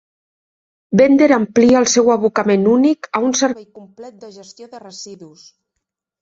Bender amplia el seu abocament únic a un servei complet de gestió de residus.